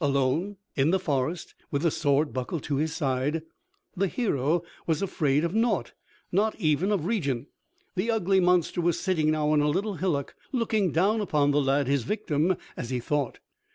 Alone in the forest, with a sword, buckled to his side, the hero was afraid of naught, not even of Regin. The ugly monster was sitting now on a little hillock, looking down upon the lad, his victim as he thought.